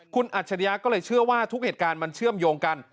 คุณอัจฉริยะก็เลยเชื่อว่าทุกเหตุการณ์มันเชื่อมโยงกัน